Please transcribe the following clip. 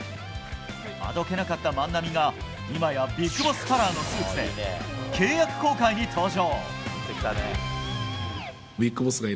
あどけなかった万波が、いまやビッグボスカラーのスーツで契約更改に登場。